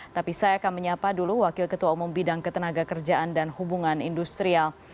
tapi saya akan menyapa dulu wakil ketua umum bidang ketenaga kerjaan dan hubungan industrial